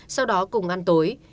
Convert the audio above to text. sau đó cùng ăn tối